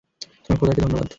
তোমার খোদাকে ধন্যবাদ।